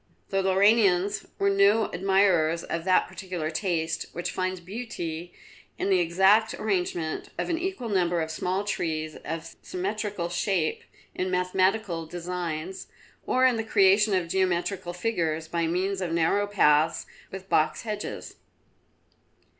The Lauranians were no admirers of that peculiar taste which finds beauty in the exact arrangement of an equal number of small trees of symmetrical shape in mathematical designs, or in the creation of geometrical figures by means of narrow paths with box hedges.